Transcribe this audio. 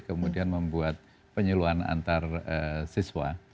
kemudian membuat penyuluhan antar siswa